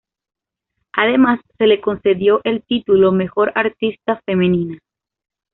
Además se le concedió el título mejor artista femenina.